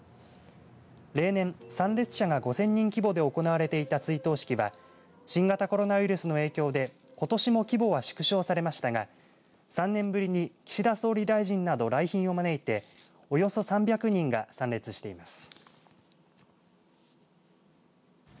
例年、参列者が５０００人規模で行われていた追悼式は新型コロナウイルスの影響でことしも規模は縮小されましたが３年ぶりに岸田総理大臣など来賓を招いておよそ３００人が参列しています。